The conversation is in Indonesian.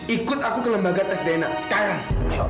ikut aku ke lembaga tes dna sekarang